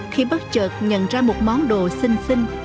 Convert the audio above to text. khi bắt chợt nhận ra một món đồ xinh xinh